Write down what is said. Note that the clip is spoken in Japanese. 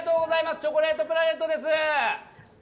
チョコレートプラネットです。